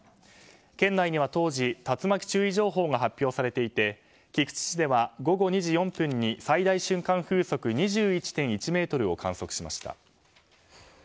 県内では当時竜巻注意情報が発表されていて菊池市史では、午後２時４分に最大瞬間風速２１．１メートルを観測しました。